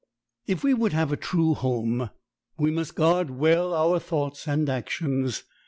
If we would have a true home, we must guard well our thoughts and actions.